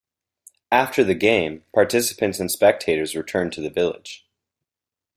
After the game, participants and spectators return to the village.